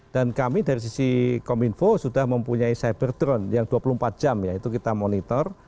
dan kami dari sisi kominfo sudah mempunyai cyber drone yang dua puluh empat jam ya itu kita monitor